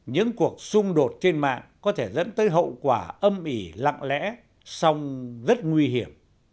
những cuộc xung đột trên mạng có thể dẫn tới hậu quả âm ỉ lặng lẽ song rất nguy hiểm